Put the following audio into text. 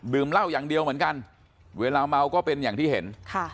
เหล้าอย่างเดียวเหมือนกันเวลาเมาก็เป็นอย่างที่เห็นค่ะ